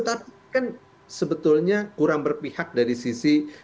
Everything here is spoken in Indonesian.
tapi kan sebetulnya kurang berpihak dari sisi keadilan pendidikan